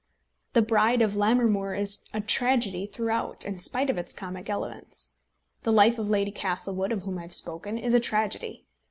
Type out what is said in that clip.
The Bride of Lammermoor is a tragedy throughout, in spite of its comic elements. The life of Lady Castlewood, of whom I have spoken, is a tragedy.